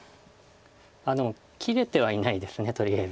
あっでも切れてはいないですとりあえず。